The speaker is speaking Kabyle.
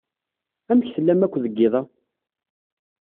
Amek tellam akk deg yiḍ-a?